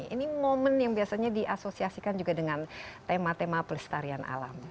ini momen yang biasanya diasosiasikan juga dengan tema tema pelestarian alam